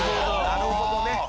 なるほどね。